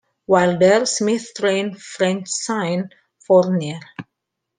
While there, Smith trained Francine Fournier.